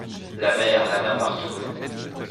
La mer la mer partout